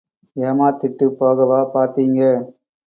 ஏமாத்திட்டுப் போகவா பாத்தீங்க?